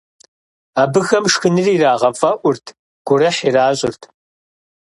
Абыхэм шхыныр ирагъэфӀэӀурт, гурыхь иращӀырт.